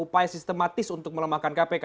upaya sistematis untuk melemahkan kpk